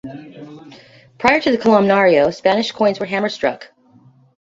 Prior to the columnario, Spanish coins were hammer struck.